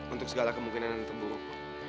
untuk segala kemungkinan untuk buruk